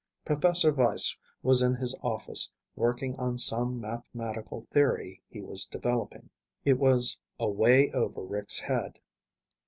Professor Weiss was in his office working on some mathematical theory he was developing. It was away over Rick's head.